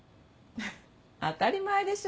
フフ当たり前でしょ